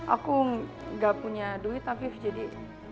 aku gak punya duit tapi jadi